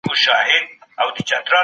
که ته ملنډي ووهې، خلګ خپه کېږي.